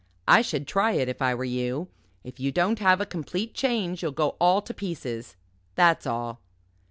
I should try it if I were you. If you don't have a complete change you'll go all to pieces. That's all."